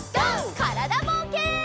からだぼうけん。